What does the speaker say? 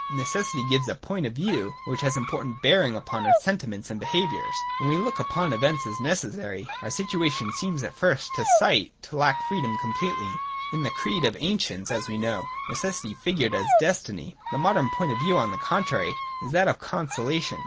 Necessity gives a point of view which has important bear ings upon our sentiments and behaviour. When we look upon events as necessary, our situation seems at first sight to lack freedom completely. In the creed of the ancients, as we know, necessity figured as Destiny. The modern point of view, on the contrary, is that of Consolation.